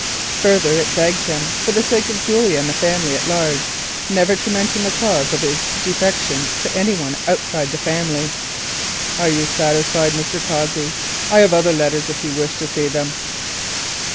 Further, it begged him for the sake of Julia and the family at large, never to mention the cause of his defection to any one outside the family. "Are you satisfied, Mr. Cossey? I have other letters, if you wish to see them."